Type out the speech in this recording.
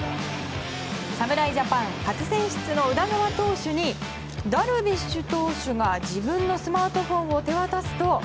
侍ジャパン初選出の宇田川投手にダルビッシュ投手が自分のスマートフォンを手渡すと。